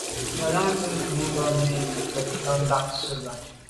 Ngelan ze nkum ba’ mi nekut là bag tswe’ tseba’.